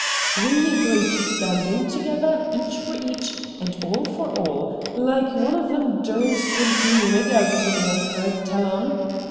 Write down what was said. ' We agreed to stand in together, each for each, and all for all, like one of them derned Tontine rig outs you may have heerd tell on.